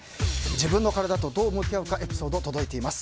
自分の体とどう向き合うかエピソード、届いています。